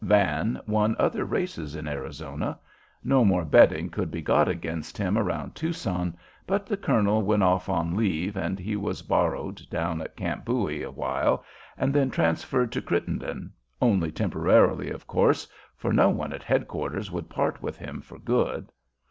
Van won other races in Arizona. No more betting could be got against him around Tucson; but the colonel went off on leave, and he was borrowed down at Camp Bowie awhile, and then transferred to Crittenden, only temporarily, of course, for no one at head quarters would part with him for good.